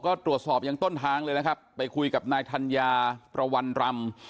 ก็ตรวจสอบยังต้นทางเลยนะครับไปคุยกับนายธัญญาประวัณรำ